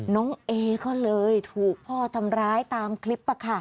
น้องเนี่ยก็เลยถูกพ่อทำร้ายตามคลิปป่ะค่ะ